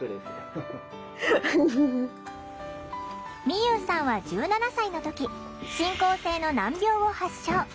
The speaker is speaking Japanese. みゆうさんは１７歳の時進行性の難病を発症。